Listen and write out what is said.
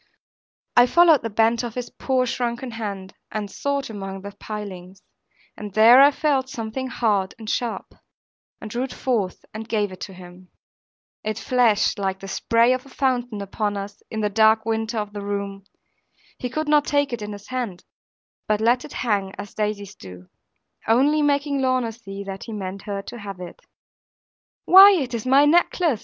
I followed the bent of his poor shrunken hand, and sought among the pilings; and there I felt something hard and sharp, and drew it forth and gave it to him. It flashed, like the spray of a fountain upon us, in the dark winter of the room. He could not take it in his hand, but let it hang, as daisies do; only making Lorna see that he meant her to have it. 'Why, it is my glass necklace!'